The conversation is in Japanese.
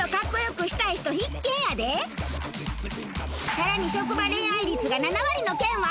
さらに職場恋愛率が７割の県は。